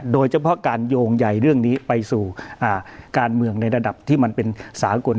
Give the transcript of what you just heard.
โดยเฉพาะการโยงใยเรื่องนี้ไปสู่การเมืองในระดับที่มันเป็นสากล